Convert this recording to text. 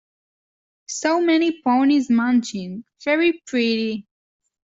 So many ponies munching; very pretty!